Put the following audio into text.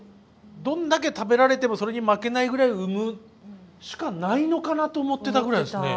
どんだけ食べられてもそれに負けないぐらい産むしかないのかなと思ってたぐらいですね。